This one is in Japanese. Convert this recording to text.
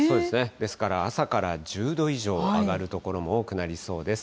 ですから朝から１０度以上上がる所も多くなりそうです。